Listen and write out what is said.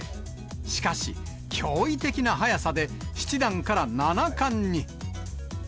しかし、驚異的な早さで七段から七冠に。